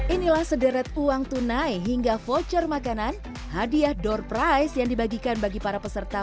inilah sederet uang tunai hingga voucher makanan hadiah door price yang dibagikan bagi para peserta